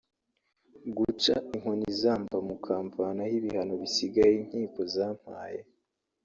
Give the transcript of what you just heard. guca inkoni izamba mukamvanaho ibihano bisigaye inkiko zampaye